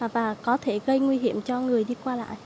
và có thể gây nguy hiểm cho người đi qua lại